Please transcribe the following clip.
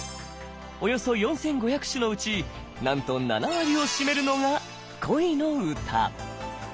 およそ４，５００首のうちなんと７割を占めるのが恋の歌。